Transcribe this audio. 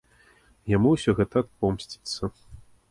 Яму ўсё гэта адпомсціцца.